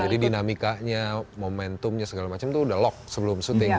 jadi dinamikanya momentumnya segala macem tuh udah lock sebelum shooting